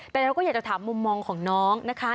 แต่เราก็อยากจะถามมุมมองของน้องนะคะ